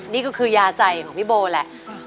นี่ก็คือยาใจของพี่โบแหละ